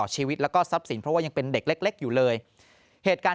ชีวิตแล้วก็ทรัพย์สินเพราะว่ายังเป็นเด็กเล็กอยู่เลยเหตุการณ์